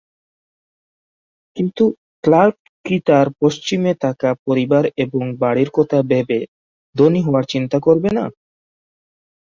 কিন্তু ক্লার্ক কি তার পশ্চিমে থাকা পরিবার এবং বাড়ির কথা ভেবে ধনী হওয়ার চিন্তা করবে না?